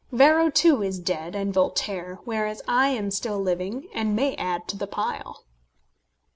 Varro, too, is dead, and Voltaire; whereas I am still living, and may add to the pile.